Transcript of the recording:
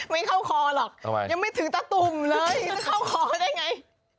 ไม่เข้าคอหรอกทำไมยังไม่ถึงตะตุ่มเลยจะเข้าคอได้ไง